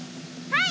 はい！